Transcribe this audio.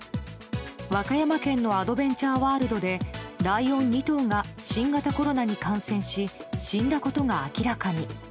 和歌山県のアドベンチャーワールドでライオン２頭が新型コロナに感染し死んだことが明らかに。